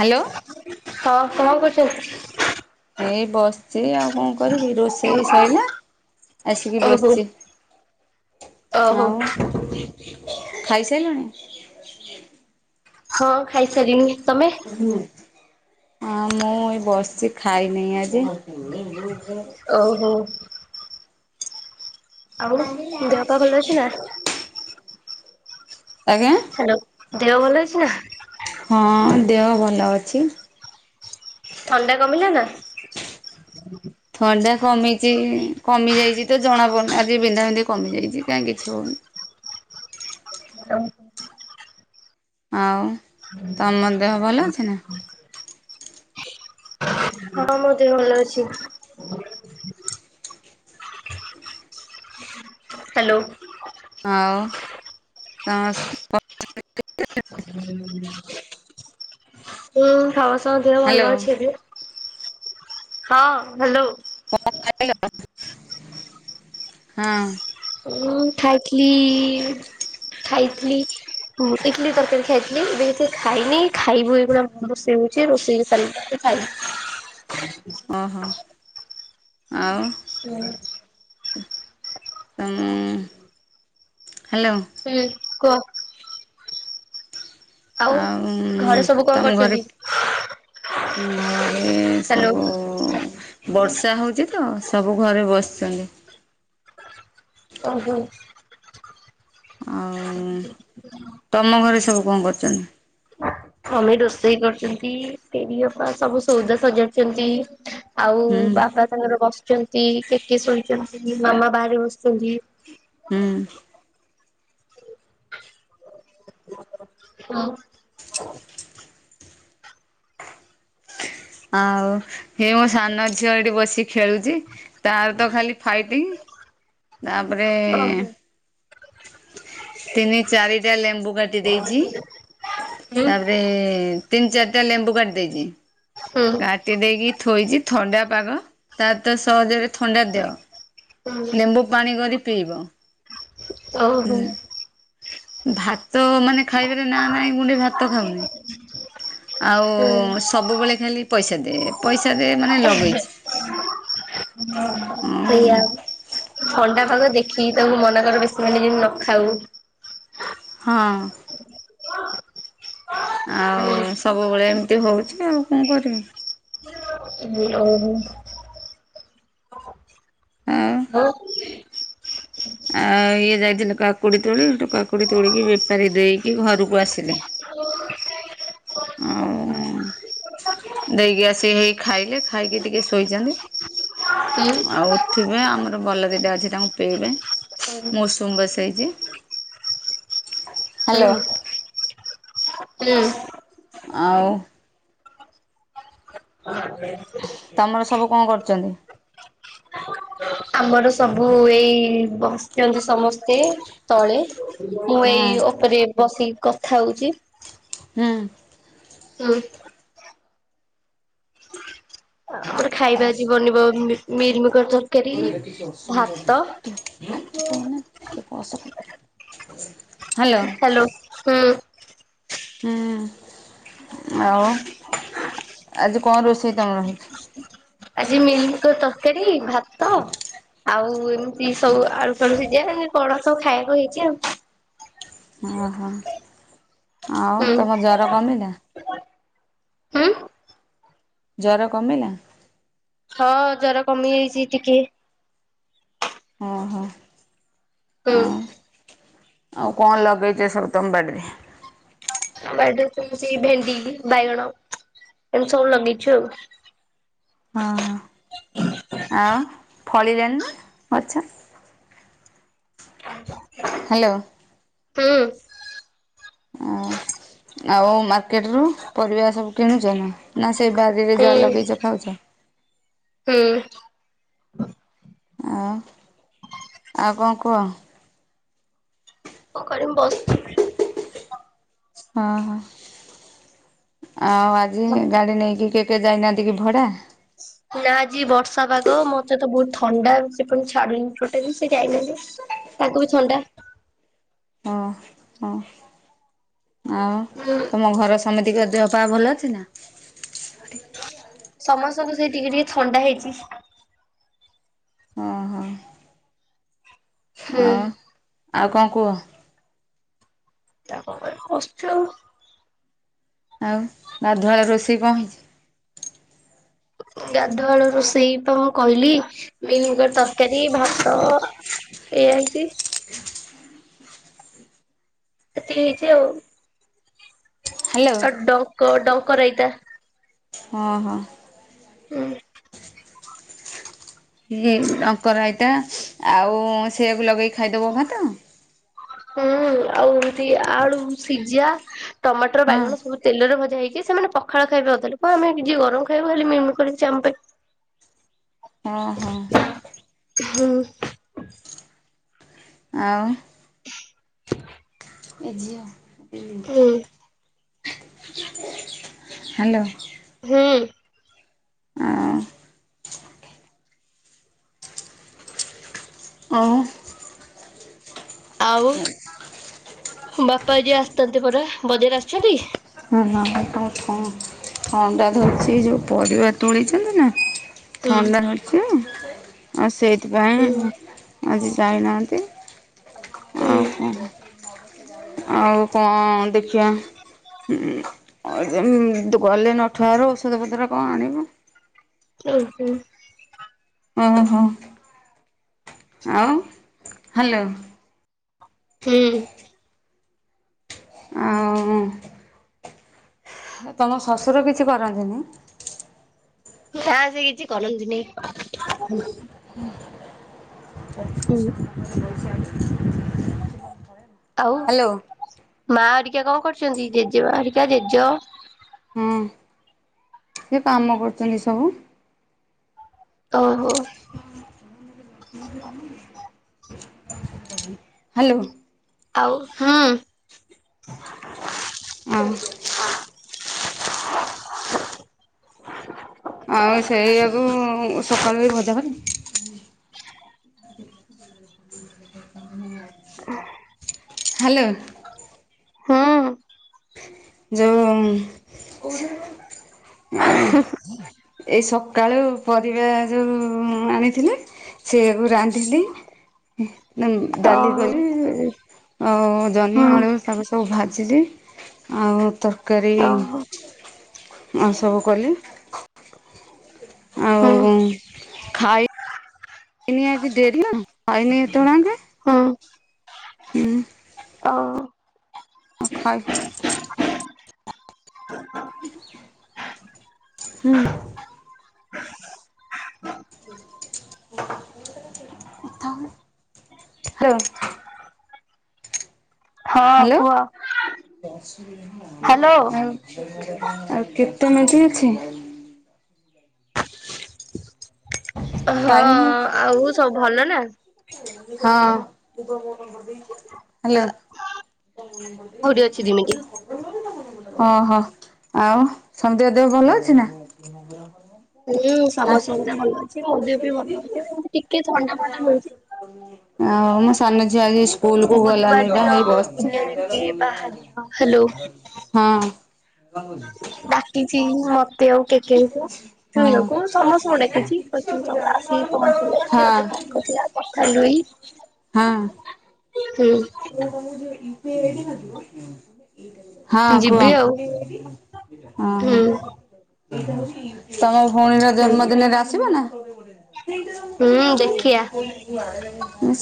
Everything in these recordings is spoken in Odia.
ହାଲୋ। ହଁ କଣ କରୁଛୁ। ଏଇ ବସିଛି ଆଉ କଣ। କରିବି ରୋଷ ସୋଇଲା ଆସିକି ଓହୋ ବସିଛି। ଓହୋ ଆଉ ଖାଇସାଇ ଲୁଣି। ହଁ ଖାଇ ସାରିଲିଣି। ନା ମୁଁ ଏଇ ବସିଛି। ଖାଇନି ଆଜି। ଓହୋ ଆଉ ଦେହ ପା ଭଲ ଅଛି ନା? ଆଜ୍ଞା। ହ୍ୟାଲୋ ଦେହ ଭଲ ଅଛି ନା। ହଁ ଦେହ ଭଲ ଅଛି। ଥଣ୍ଡା କମିଲା ନା। ଥଣ୍ଡା କମିଛି କମି ଯାଇଛି ତ ଜଣା ପଡୁନି ଆଜି ବିନ୍ଧା ବିନ୍ଧି କମିଯାଇଛି କାଇଁ କିଛି ହଉନି। [inaudible] ହଁ ତମ ଦେହ ଭଲ ଅଛି ନା? [inaudible] ହଁ ମୋ ଦେହ ଭଲ ଅଛି। ହା ଲୋ। ଆଉ ତମ ସେ [inaudible] ହୁଁ ସମସ୍ତଙ୍କ ଦେହ ଭଲ ହ୍ୟାଲୋ ଅଛି ଏବେ। ହଁ ହାଲୋ। କଣ ଖାଇଲ ହଁ। ଉଁ ଖାଇଥିଲିି। ଖାଇଥିଲି ଉଁ ଇଟଲିି ତରକାରୀ ଖାଇଥିଲି ଏବେ କିଛି ଖାଇନି ଖାଇବୁ ଏଇଖୁଣା ଆମର ରୋଷଇ। ହେଉଛି ରୋଷେଇ ହେଇସାରି ଲେ ଖାଇବୁ। ଓହୋ ଆଉ। ଉଁ ତମ ହାଲୋ। ହୁଁ କୁହ? ଆଉ ଘରେ ସବୁ କଣ ତମ ଘରେ କରୁଛନ୍ତି? ଉଁ ଘରେ ହ୍ୟାଲୋ ସବୁ ବର୍ଷା ହୋଉଚି ତ ସବୁ ଘରେ ବସଚନ୍ତି। ଓହୋ। ଆଉ ତମ ଘରେ ସବୁ କଣ କରୁଚନ୍ତି? ମମି ରୋଷେଇ କରୁଚନ୍ତି ତିନି ଅପା ସବୁ ସୋଉଦା ସଜାଡୁଚନ୍ତି। ଆଉ ହୁଁ ବାପା ତାଙ୍କର ବସଚନ୍ତି କେ କିଏ ଶୁଣିଚନ୍ତି ମାମା ବାହାରେ ବସିଚନ୍ତି। ହୁଁ ଆଁ ଆଉ ହେ ମୋ ସାନ ଝିଅ ଏଇଠି ବସି ଖେଳୁଚି ତାର ତ ଖାଲି ଫାଇଟିଂ ତାପରେ ଓହୋ ତିନି ଚାରିଟା ଲେମ୍ବୁ କାଟି ଦେଇଚି। ହୁଁ ତାପରେ ତିନ ଚାରଟା ଲେମ୍ବୁ କାଟି ଦେଇଚି ହୁଁ କାଟି ଦେଇକି ଥୋଇଚି। ଥଣ୍ଡା ପାଗ ତାର ତ ସହଜରେ ଥଣ୍ଡା ଦେହ। ହୁଁ। ଲେମ୍ବୁ ପାଣି କରି ପିଇବ। ଓ ହୋ। ହୁଁ ଭାତ ମାନେ ଖାଇବାରେ ନା ନାଇଁ ଗୁଣ୍ଡେ ଭାତ ଖାଉନି ଆଉ ସବୁବେଳେ ଖାଲି ପଇସା ଦ୍ ଏ ପଇସା ଦେ ମାନେ ଲଗେଇଛି। ଅହ ହଁ ସେଇଆ ବି ଥଣ୍ଡା ପାଗରେ ଦେଖିକି ତାକୁ ମନା କର ବେଶୀ ମାନେ ଯେମି ନ ଖାଉ। ହଁ। ଆଉ ହୁଁ ସବୁବେଳେ ଏମିତି ହୋଉଚି ଆଉ କଣ କରିବି। ଉ ଓହୋ। ଅ ଆ ଇଏ ଯାଇଥିଲେ କାକୁଡି ତୋଳି ହେଠୁ କାକୁଡି ତୋଳିିକି ବେପାରୀକି ଦେଇକି ଘରକୁ ଆସିଲେ। ଆଉ ଓହୋ। ଦେଇକି ଆସିକି ହେଇ ଖାଇଲେ ଖାଇକି ଟିକେ ଶୋଇଚନ୍ତି। ହୁଁ ଆଉ ଉଠିବେ ଆମର ବଲ ଦିଟା ଅଛି ତାଙ୍କୁ ପେଇବେ। ମୁଁ ଉଷୁମ୍ ବସେଇଚି। ଶୋଇନି। ଆଉ ତମର ସବୁ କଣ କରୁଚନ୍ତି? ଆମର ସବୁ ଏଇ ବସଚନ୍ତି ସମସ୍ତେ ତଳେ। ମୁଁ ଏଇ ଓପରେ ବସିକି କଥା ହୋଉଚି। ଆଁ ତ ଆ ଆମର ଖାଇବା ଆଜି ବନିବ ମି-ମିଲମି ମିକର ତରକାରୀ, ଭାତ। ହ୍ୟାଲୋ ହାଲୋ ହଁ। ଆଁ ଆଉ ଆଜି କଣ ରୋଷେ ଆଜି ମିଲମିକର ତରକାରୀ, ଭାତ ଆଉ ଏମିତି ସବୁ ଆଳୁ ଫାଳୁ ସିଜା ଆଉ ଏ କଣ ସବୁ ଖାଇବାକୁ ହେଇଚି ଆଉ। ଅହ ଆଉ ହୁଁ ତମ ଜର କମିଲା? ହୁଁ? ଜର କମିଲା? ହଁ ଜର କମିଯାଇଚି ଟିକେ। ଓହୋଃ ହୁଁ ଆଁ ଆଉ କଣ ଲଗେଇଛ ସବୁ ତମ ବାଡିରେ? ବାଡିରେ ସେଇ ସବୁ ଭେଣ୍ଡି, ବାଇଗଣ ଏମିତି ସବୁ ଲଗେଇଛୁ ଆଉ। ହଁ- ହଁ। ଆଉ ଫଳିଲାଣି ନା ଗଛ? ହ୍ୟାଲୋ। ହୁଁ। ଆଉ ଆଉ ମାର୍କେଟରୁ ପରିବା ସବୁ କିଣୁଛନା ନା ସେଇ ବାରିରେ ଯାହା ହୁଁ। ଲଗେଇଛ ଖାଉଛ? ହୁଁ। ଆଉ, ଆଉ କଣ କୁହ? କରି ମୁଁ ବସିଥିଲି। ହଁ- ହଁ। ଆଉ ଆଜି ଗାଡି ନେଇକି କେ କେ ଯାଇନାହାନ୍ତି କି ଭଡା? ନା ଆଜି ବର୍ଷା ପାଗ ମତେ ତ ବହୁତ ଥଣ୍ଡା ସେ ପୁଣି ଛାଡୁନି ଟୋଟାଲି, ସେ ଯାଇନାହାନ୍ତି। ତାଙ୍କୁ ବି ଥଣ୍ଡା। ହଁ ହଁ ଆଉ ହୁଁ ତମ ଘର ସମତିଙ୍କ ଦେହପା ଭଲ ଅଛି ନା? ସମସ୍ତଙ୍କୁ ସେଇ ଟିକେ ଟିକେ ଥଣ୍ଡା ହେଇଚି। ଓହୋ ହୁଁ। ଆଉ ଆଉ କଣ କୁହ? [unintelligible] ଆଉ ଗାଧୁଆ ବେଳ ରୋଷେଇ କଣ ହେଇଛି? ଗାଧୁଆଳ ରୋଷେଇ ତ ମୁଁ କହିଲି [unintelligible] ତରକାରୀ ଭାତ ଏଇଆା ହେଇଛି। ଏତିକି ହେଇଛି ଆଉ। ହ୍ୟାଲୋ ଆଉ ଡଙ୍କ, ଡଙ୍କ ରାଇତା। ହଁ- ହଁ। ହୁଁ। ଇଏ ଡଙ୍କ ରାଇତା, ଆଉ ସେଆକୁ ଲଗେଇକି ଖାଇଦବ ଭାତ? ହୁଁଉ-ଉ-ଉ ଆଉ ଏମିତି ଆଳୁ ସିଝା ଟମାଟର ହଁ ବାଇଗଣ ସବୁ ତେଲରେ ଭ ଯାଇକି ସେମାନେ ପଖାଳ ଖାଇବେ [inaudible] ଥିଲେ ବା ଆମେ ଯିଏ ଗରମ ଖାଇବୁ ବୋଲି ମୁଁ [inaudible] କରିଛି ଆମ ପାଇଁ। ହଁ- ହଁ। ହୁଁ। ଆଉ ଏ ଝିଅ ହୁଁ। ହ୍ୟାଲୋ। ହୁଁ। ଆଁ ଆଉ ଆଉ, ବାପା ଆଜି ଆସିଥାନ୍ତେ ପରା, ବଜାର ଆସିଛନ୍ତି? [inaudible] ଥଣ୍ଡା ଧରିଛି ଯୋଉ ପରିବା ତୋଳିଛନ୍ତିନା ହୁଁ ଥଣ୍ଡା ଧରିଛି ଆଉ ହୁଁ ସେଇଥିପାଇଁ ଆଜି ଯାଇନାହାନ୍ତି, ହୁଁ ଆଉ କଣ? ଆଉ କଣ ଦେଖିବା। ହୁଁ ଆଉ [inaudible] ଗଲେ ନଠୁଆରୁ ଔଷଧ ପତ୍ର କଣ ଆଣିବ। ହୁଁ-ହୁଁ। ଓହୋଃ, ଆଉ ହ୍ୟାଲୋ। ହୁଁ। ଆଉ ତମ ଶଶୁର କିଛି କରନ୍ତିନି? ନା ସେ କିଛି କରନ୍ତିନି। ହୁଁ ଉଁ ଆଉ ହ୍ୟାଲୋ ମା ଅରିକା କଣ କରୁଛନ୍ତି ଜେଜେମା ଅରିକା ଜେଜେ? ହଁ ସେ କାମ କରୁଛନ୍ତି ସବୁ ଓହୋ ହାଲୋ ଆଉ ହୁଁ ଆଉ [unintelligible] ଆଉ ସେଇଆକୁ ସକାଳୁ ବି ଭଜା କ ହାଲୋ ହୁଁ ଯୋଉ ଏ ଏଇ ସକାଳୁ ପରିବା ଯୋଉ ଆଣିଥିଲେ ସେଇଆକୁ ରାନ୍ଧିଲି, ଡାଲି ଓହୋ କଲି ଆଉ ଜହ୍ନି ହୁଁ ଆଳୁ ତାକୁ ସବୁ ଭାଜିିଲି। ଆଉ ତରକାରୀ ଓହୋ ଆ ସବୁ କଲି। ହୁଁ ଆଉ ଖାଇ ଏଇନି ଆ କି ଡେରି ନା ଖାଇନି ଏତେ ବେଳ ଆଁକେ ହ ପା ଖାଇ ହୁଁ [unintelligible] ହଁ ହ୍ୟାଲୋ। କୁହ? ହ୍ୟାଲୋ। ଆଉ ଆଉ କେତେ [unintelligible] ଅଛି। ହଁ ଟାଇମ୍ ଆଉ ସବୁ ଭଲ ନା? ହଁ ହାଲୋ କଉଠି ଅଛି ଦିମିତି। ଓହୋ, ଆଉ ସଞ୍ଜୟ ଦେହ ଭଲ ଅଛି ନା? ହୁଁ ସମସ୍ତଙ୍କ ଭଲ ଅଛି ସଞ୍ଜୟ ବି ଭଲ ଅଛି ଏମତି ଟିକେ ଥଣ୍ଡା ଫଣ୍ଡା ରହୁଛି। ଆ ମୋ ସାନ ଆଜି ସ୍କୁଲ କୁ ବୁଧବାର ଗଲାନି ବା ଦିନ ହେଇ ବସିଛି। ପୂଜା ଦିଦି ବାହାଘର ହ୍ୟାଲୋ ହଁ ଡାକିଛି ମ ସେଆଉ କେକେଇକୁ ହଁ ଚୁଇଆକୁ ସମସ୍ତଙ୍କୁ ଡାକିଛି ସବୁ ଆସିିକି ପହଞ୍ଚିଵେ ଏ ହଁ ସେ [unintelligible] [unintelligible] ପକା ଲୁଇ। ହଁ ଏଇ ମାନଙ୍କୁ ଟିକିଏ [unintelligible] ହଁ କୁହ? ଯିବି ଆଉ ହ ହୁଁ ହ ତମ ଭଉଣୀର ହୁଁ। ଜନ୍ମଦିନରେ ଆସିବ ନା? [unintelligible] ହୁଁ ଦେଖିଆ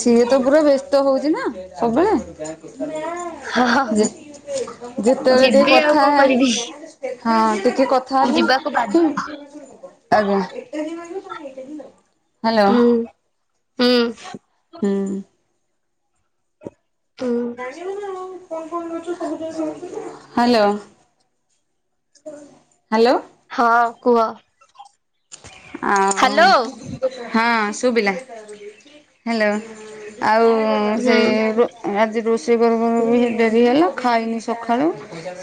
ସିଏ ତ ପୁରା ବ୍ୟସ୍ତ ହଉଛି ନା ସବୁବେଳେ [unintelligible] ଆ ହଁ ଯେତେବେଳେ ଟିକେ ଯିବି ଆଉ କଥା କଣ କରିବି ହଁ ଟିକେ କଥା ହେଲେ ଆଜ୍ଞା। ଆଜ୍ଞା। ହାଲୋ ହୁଁ ହୁଁ ହୁଁ ଉଁ ହୁଁ [unintelligible] ଫୋନ୍ ଫୋନ୍ ନଉଛ ସବୁଜାକ, ହାଲୋ ହାଲୋ ହଁ କୁହ? ଆଉ ହ୍ୟାଲୋ। ହଁ ଶୁଭିଲା ହ୍ୟାଲୋ ଆଉ ହୁଁ ସେଆକୁ ଆଜି ସେଇ [unintelligible] ବି ଡେରି ହେଲା ଖାଇନି ସଖାଳୁ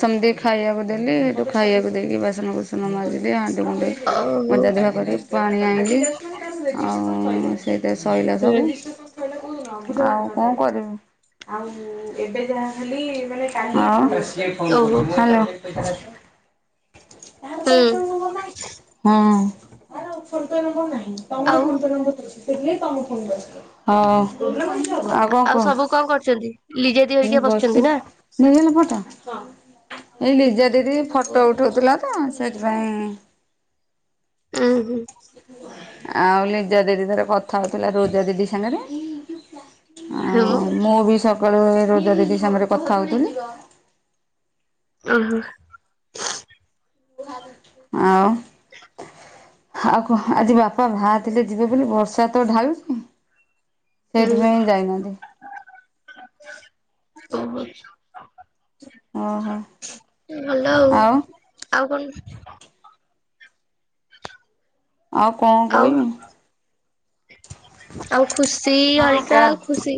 ସମତିକି ଖାଇଆକୁ ଦେଲି ହେଇଠୁ ଖାଇବାକୁ ଦେଇକି ବାସନ କୁସନ ମାଜିଲି ହା ଣ୍ଡି କୁଣ୍ଡେଇ ଓହୋ ମଜା ଧୁଆ କରିକି ପାଣି ଆଇଁଲି ଆଉ ସେ ସେ ଶଇଲା ସବୁ ହୁଁ ଆଉ କଣ କରିବୁ ଆଉ ଏବେ ଯାହା ହେଲି ମାନେ [unintelligible] ଆଉ ଓହୋ ହାଲୋ। ହୁଁ ଆଉ ହଁ। ହଁ। ଆଉ କଣ କୁହ ସବୁ କଣ କରୁଛନ୍ତି ଲିଜେଦି ମୁଁ ହରିକା ବସିଛି ବସିଛନ୍ତି ନା? ନେଇଗଲା ପଟା! ଏଇ ଲିଜା ଦିଦି ଉଁ ଫଟୋ ଉଠଉଥିଲା ତ! ସେଇଥିପାଇଁ ଉଁ ହୁଁ। ଆଉ ଲିଜା ଦିଦି ତାର କଥା ହଉଥିଲା ରୋଜା ଦିଦି ସାଙ୍ଗରେ ଆଉ ମୁଁ ବି ସକାଳୁ ଏଇ ରୋଜା ଦିଦି ସାଙ୍ଗରେ କଥା ହଉଥିଲି। ଓ ହୋ। ଆଉ? ଆଉ କୁହ ଆଜି ବାପା ଭାରି ଥିଲେ ଯିବେ ବୋଲି ବର୍ଷା ତ ଢାଳୁଛି। ହୁଁ ସେଇଥିପାଇଁ ଯାଇନାହାନ୍ତି। ଓହୋ [unintelligible] ଭଲ ଆଉ ଆଉ କଣ ଆଉ କଣ ଆଉ କଇବି? ଆଉ ଖୁସି ହଁ ହରିକା କହ ଖୁସି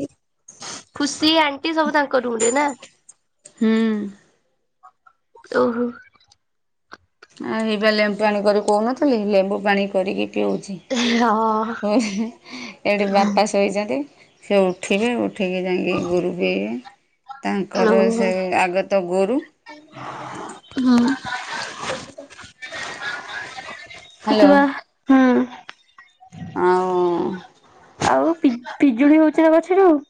ଖୁସି ଆଣ୍ଟି ସବୁ ତାଙ୍କ ରୁମରେ ନା! ହୁଁ। ଓହୋ। ଆଉ ହେଇ ବା ଲେମ୍ବୁ ପାଣି କରି କହୁନଥିଲି ଲେମ୍ବୁ ପାଣି କରିକି ପିଉଛି ହଁ [unintelligible] ଏଇଠି ବାପା ଶୋଇଛନ୍ତି ସେ ଉଠିବେ ଉଠିକି ଯାଇଁକି ଗୋରୁ ପେଇବେ। ତାଙ୍କର ସେ ଆଗ ତ ଗୋରୁ। ହଁ। ହ୍ୟାଲୋ ଉଠିବା ହୁଁ। ଆଉ ଆଉ ପିଜ ପିଜୁଳି ହଉଛି ନା ଗଛରେ ଆଉ?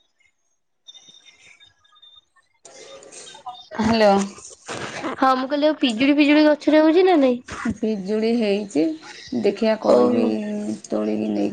ହ୍ୟାଲୋ। ହଁ ମୁଁ କହିଲି ଆଉ ପିଜୁଳି ଫିଜୁଳି ଗଛରେ ହଉଚି ନା ନାଇଁ? ପିଜୁଳି ହେଇଚି ଦେଖିବା କଇବି ଓହୋ ତୋଳିକି ନେଇ